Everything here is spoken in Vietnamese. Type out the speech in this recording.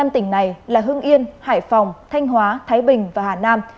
năm tỉnh này là hưng yên hải phòng thanh hóa thái bình và hà nam